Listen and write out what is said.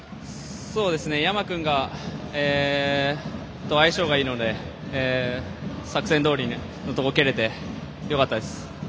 山君と相性がいいので作戦どおりのところに蹴れてよかったです。